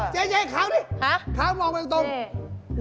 เจ๊ใส่เป็นฮีทขอบ